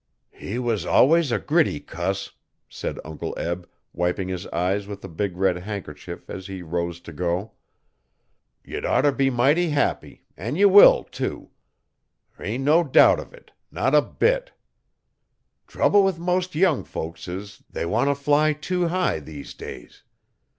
'He was alwuss a gritty cuss,' said Uncle Eb, wiping his eyes with a big red handkerchief as he rose to go. 'Ye'd oughter be mighty happy an' ye will, too their am'no doubt uv it not a bit. Trouble with most young folks is they wan' to fly tew high, these days.